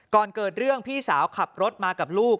ก่อนเกิดเรื่องพี่สาวขับรถมากับลูก